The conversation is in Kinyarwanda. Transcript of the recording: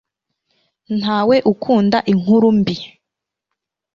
ntawe ukunda inkuru mbi